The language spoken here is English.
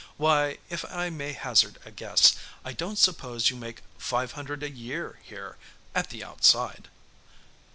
Why, if I may hazard a guess, I don't suppose you make five hundred a year here, at the outside?"